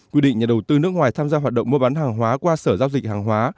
quy định nhà đầu tư nước ngoài tham gia hoạt động mua bán hàng hóa qua sở giao dịch hàng hóa